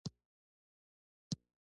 ښوونځی زړورتیا روزي